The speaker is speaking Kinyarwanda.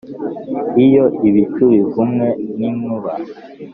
iyo ibicu bivumwe n'inkuba,